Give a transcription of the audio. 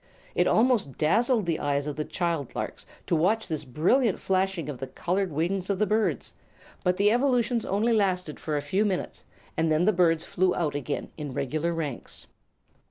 It almost dazzled the eyes of the child larks to watch this brilliant flashing of the colored wings of the birds, but the evolutions only lasted for a few minutes, and then the birds flew out again in regular ranks.